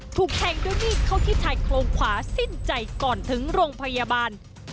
ถูกแทงด้วยมีดเข้าที่ชายโครงขวาสิ้นใจก่อนถึงโรงพยาบาล